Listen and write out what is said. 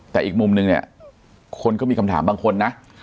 แต่อีกมุมนึงเนี่ยคนก็มีคำถามบางคนนะ